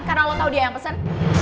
karena lo tau dia yang pesen